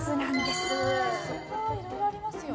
すごいいろいろありますよ。